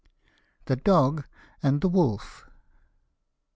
THE DOG AND THE WOLF.